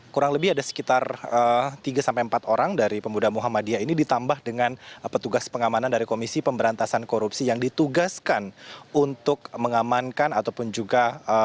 kurang lebih ada sekitar tiga empat orang dari pemuda muhammadiyah ini ditambah dengan petugas pengamanan dari komisi pemberantasan korupsi yang ditugaskan untuk mengamankan ataupun juga